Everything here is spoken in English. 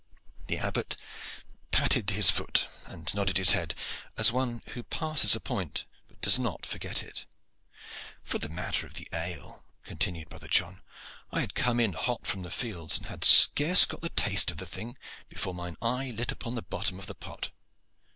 The Abbot patted his foot and nodded his head, as one who passes a point but does not forget it. "For the matter of the ale," continued brother John, "I had come in hot from the fields and had scarce got the taste of the thing before mine eye lit upon the bottom of the pot.